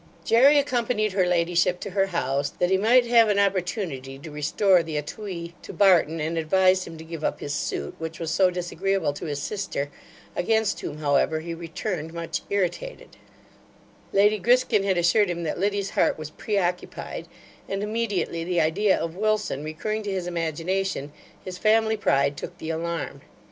Jery accompanied her ladyship to her house, that he might have an opportunity to restore the etuis to Barton, and advise him to give up his suit, which was so disagreeable to his sister, against whom, however, he returned much irritated Lady Griskin had assured him that Liddy's heart was pre occupied; and immediately the idea of Wilson recurring to his imagination, his family pride took the alarm.